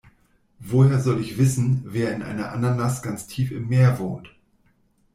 Woher soll ich wissen, wer in einer Ananas ganz tief im Meer wohnt?